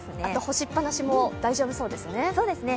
あと干しっぱなしも大丈夫そうですね。